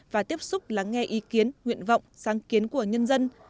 và tiếp xúc lắng nghe ý kiến nguyện vọng sáng kiến của nhân dân